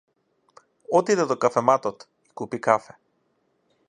Отиде до кафематот и купи кафе.